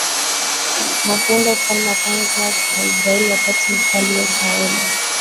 na kuunda ufalme wa kwanza wa Israeli wakati wa mfalme Sauli